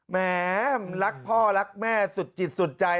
แหมรักพ่อรักแม่สุดจิตสุดใจ